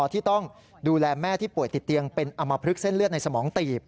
ที่ต้องดูแลแม่ที่ป่วยติดเตียงเป็นอำมพลึกเส้นเลือดในสมองตีบ